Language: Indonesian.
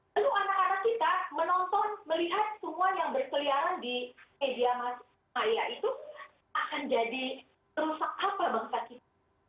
lalu anak anak kita menonton melihat semua yang berkeliaran di media masa itu akan jadi rusak apa bangsa kita